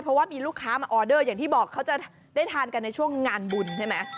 เพราะว่ามีลูกค้ามาออเดอร์อย่างที่บอกเขาจะได้ทานกันในช่วงงานบุญใช่ไหม